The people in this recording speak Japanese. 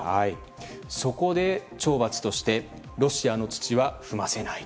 そこで懲罰としてロシアの土は踏ませない。